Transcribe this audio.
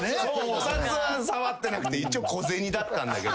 お札は触ってなくて一応小銭だったんだけど。